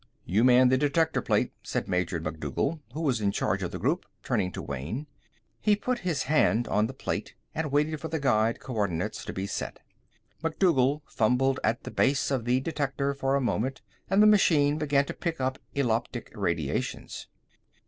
"You man the detector plate," said Major MacDougal, who was in charge of the group, turning to Wayne. He put his hand on the plate and waited for the guide coordinates to be set. MacDougal fumbled at the base of the detector for a moment, and the machine began picking up eloptic radiations.